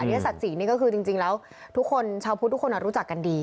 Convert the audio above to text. อันยศจรรย์นี่ก็คือจริงแล้วชาวพุทธทุกคนรู้จักกันดี